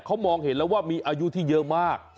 เขามองเห็นแล้วว่ามีอายุที่เยอะมาก